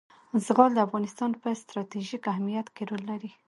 زغال د افغانستان په ستراتیژیک اهمیت کې رول لري.